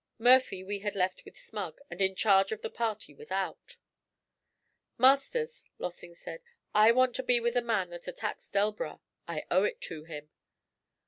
Murphy we had left with Smug, and in charge of the party without. 'Masters,' Lossing said, 'I want to be with the man that attacks Delbras. I owe it to him.'